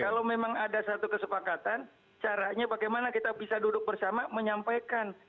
kalau memang ada satu kesepakatan caranya bagaimana kita bisa duduk bersama menyampaikan